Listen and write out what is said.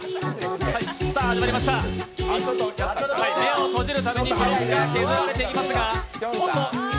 目を閉じるたびに積み木が削られていきます。